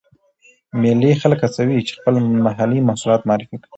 مېلې خلک هڅوي، چې خپل محلې محصولات معرفي کړي.